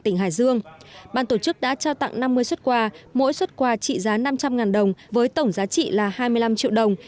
tỉnh hải dương ban tổ chức đã trao tặng năm mươi xuất quà mỗi xuất quà trị giá năm trăm linh đồng với tổng giá trị là hai mươi năm triệu đồng